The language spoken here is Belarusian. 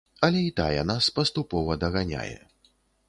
Але і тая нас паступова даганяе.